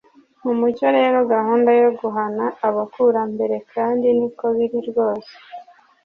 mu mucyo rero gahunda yo guhana abakurambere kandi niko biri rwose